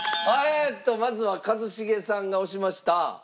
まずは一茂さんが押しました。